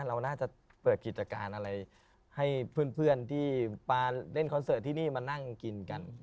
เราน่าจะเปิดกิจการอะไรให้เพื่อนที่มาเล่นคอนเสิร์ตที่นี่มานั่งกินกัน